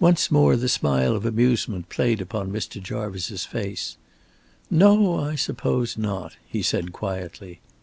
Once more the smile of amusement played upon Mr. Jarvice's face. "No, I suppose not," he said, quietly.